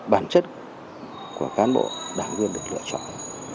bản chất của cán bộ đảng viên được lựa chọn